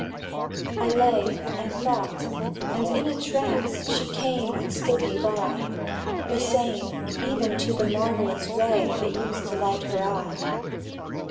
I lay, and thought; and in a trance She came and stood me by— The same, even to the marvellous ray That used to light her eye.